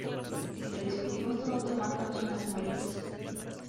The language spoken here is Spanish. ¿Y si lo discutimos todo tomándonos unas Moritz?